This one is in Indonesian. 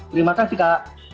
terima kasih kak